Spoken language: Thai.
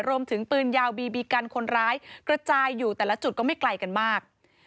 รวมถึงปืนยาวบีบีกันคนร้ายกระจายอยู่แต่ละจุดก็ไม่ไกลกันมาก